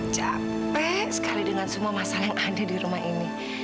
capek sekali dengan semua masalah yang ada di rumah ini